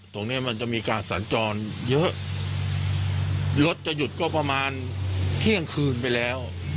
ตรงนี้มันจะมีการสัญจรเยอะรถจะหยุดก็ประมาณเที่ยงคืนไปแล้ว